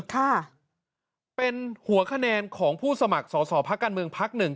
ค่ะเป็นหัวคะแนนของผู้สมัครสอสอพักการเมืองพักหนึ่ง